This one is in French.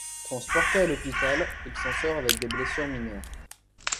Transporté à l'hôpital, il s'en sort avec des blessures mineures.